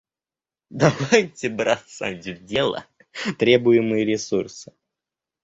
Давайте бросать в дело требуемые ресурсы.